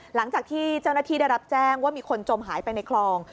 หลังจากที่เจ้าหน้าที่ได้รับแจ้งว่ามีคนจมหายไปในคลอง